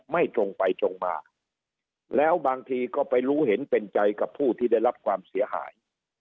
ไม่ตรงไปตรงมาแล้วบางทีก็ไปรู้เห็นเป็นใจกับผู้ที่ได้รับความเสียหาย